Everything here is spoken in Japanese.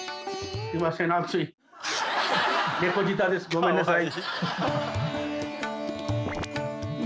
ごめんなさい。